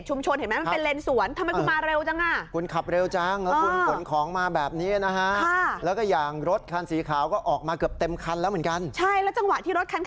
ใช่แล้วจังหวะที่รถคันขาวออกมานี่